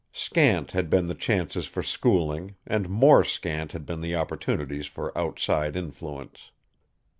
Scant had been the chances for schooling, and more scant had been the opportunities for outside influence.